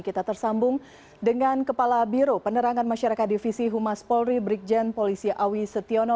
kita tersambung dengan kepala biro penerangan masyarakat divisi humas polri brigjen polisi awi setiono